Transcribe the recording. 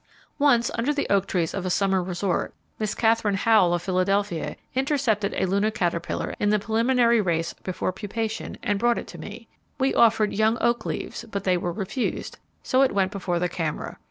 Once under the oak trees of a summer resort, Miss Katherine Howell, of Philadelphia, intercepted a Luna caterpillar in the preliminary race before pupation and brought it to me. We offered young oak leaves, but they were refused, so it went before the camera.